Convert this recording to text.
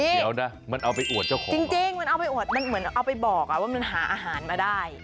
เดี๋ยวนะมันเอาไปอวดเจ้าของจริงมันเอาไปอวดมันเหมือนเอาไปบอกว่ามันหาอาหารมาได้